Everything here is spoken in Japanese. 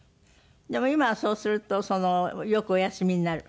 でも今はそうするとよくお休みになる？